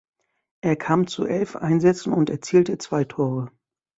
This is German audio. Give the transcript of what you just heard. Er kam zu elf Einsätzen und erzielte zwei Tore.